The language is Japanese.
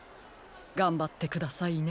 がんばってくださいね。